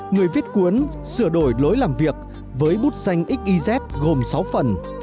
người viết cuốn sửa đổi lối làm việc với bút danh xiz gồm sáu phần